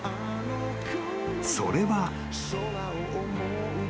［それは］